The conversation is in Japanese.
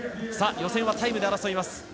予選はタイムで争います。